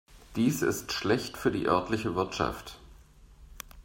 Dies ist schlecht für die örtliche Wirtschaft.